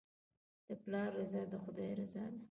د پلار رضا د خدای رضا ده.